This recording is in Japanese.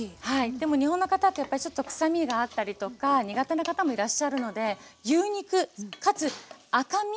でも日本の方ってやっぱりちょっと臭みがあったりとか苦手な方もいらっしゃるので牛肉かつ赤身。